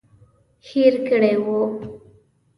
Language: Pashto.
هېر کړي وو.